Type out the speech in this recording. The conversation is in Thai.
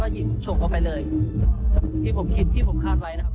แล้วก็หยิบชกเขาไปเลยที่ผมคิดที่ผมคาดไว้นะครับ